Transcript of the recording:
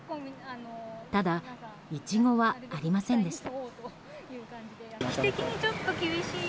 ただイチゴはありませんでした。